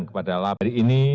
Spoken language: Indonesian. kepada labri ini